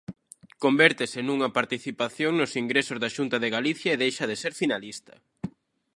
Convértese nunha participación nos ingresos da Xunta de Galicia e deixa de ser finalista.